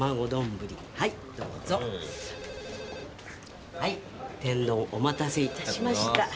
どうぞはい天丼お待たせ致しました